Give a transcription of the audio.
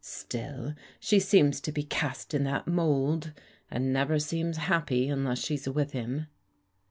Still, she seems to be cast in that mould, and never seems happy tmless she's with him."